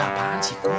ada apaan sih kum